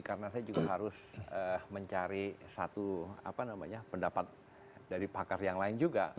karena saya juga harus mencari satu pendapat dari pakar yang lain juga